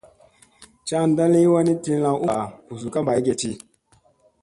Caanda liy wanni tilla u vaa busu ka ba egeɗti.